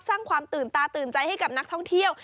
สร้างความตื่นตาตื่นใจให้กับนักท่องเที่ยว